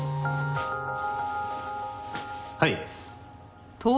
はい。